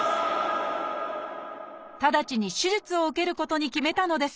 ただちに手術を受けることに決めたのです。